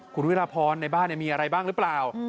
คุณวิราพรในบ้านมีอะไรบ้างหรือเปล่า